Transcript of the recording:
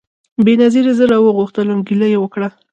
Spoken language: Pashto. بېنظیري زه راوغوښتم ګیله یې وکړه